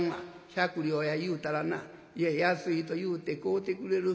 百両や言うたらないや安いと言うて買うてくれる」。